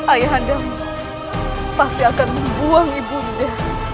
ayah anda pasti akan membuang ibu nda